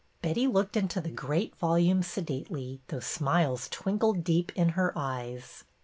" Betty looked into the great volume sedately, though smiles twinkled deep in her eyes.